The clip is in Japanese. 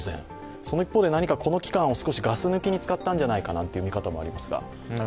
その一方で何かこの期間をガス抜きに使ったんじゃないかという見方もありますが。